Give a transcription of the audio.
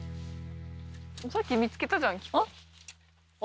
さっき見つけたじゃん希子。